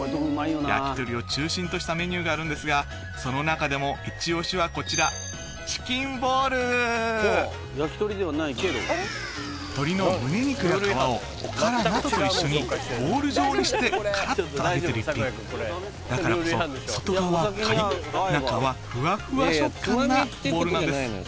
焼き鳥を中心としたメニューがあるんですがその中でもイチ押しはこちら鶏の胸肉や皮をおからなどと一緒にボール状にしてカラッと揚げてる一品だからこそ外側はカリッ中はフワフワ食感なボールなんです